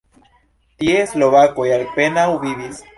Tie slovakoj apenaŭ vivis.